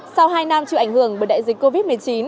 sau hai năm chịu ảnh hưởng bởi đại dịch covid một mươi chín